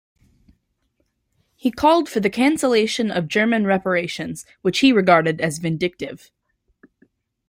He called for the cancellation of German reparations, which he regarded as vindictive.